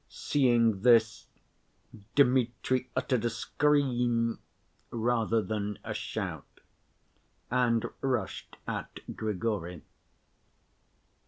Seeing this, Dmitri uttered a scream rather than a shout and rushed at Grigory.